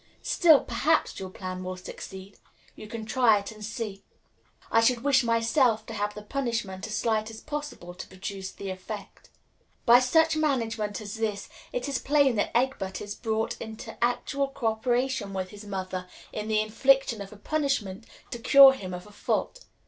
Still, perhaps your plan will succeed. You can try it and see. I should wish myself to have the punishment as slight as possible to produce the effect." By such management as this, it is plain that Egbert is brought into actual co operation with his mother in the infliction of a punishment to cure him of a fault.